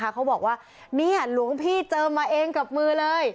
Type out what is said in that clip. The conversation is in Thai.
เขาบอกว่านี่หลวงพี่เจอมาเองกับมือเลย